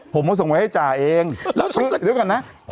ผมก็ส่งไว้ให้จ่าเองเดี๋ยวกันนะ